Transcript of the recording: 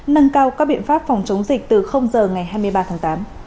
nâng cao các biện pháp phòng chống dịch từ giờ ngày hai mươi ba tháng tám